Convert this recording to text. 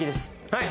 はい